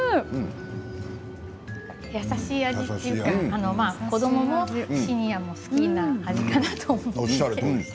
優しい味というか子どももシニアも好きな味かなと。